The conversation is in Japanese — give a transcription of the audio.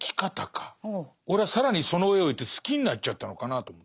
俺は更にその上をいって好きになっちゃったのかなと思って。